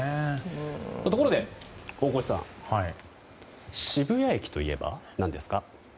ところで大越さん渋谷駅といえば、何ですか。